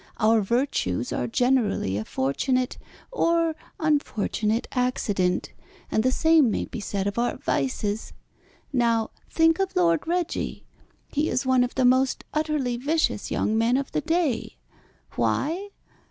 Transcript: Our virtues are generally a fortunate, or unfortunate, accident, and the same may be said of our vices. Now, think of Lord Reggie. He is one of the most utterly vicious young men of the day. Why?